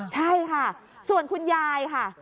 ใช่ค่ะส่วนคุณยายค่ะ